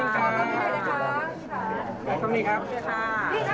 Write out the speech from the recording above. ขอบคุณพี่ด้วยนะครับ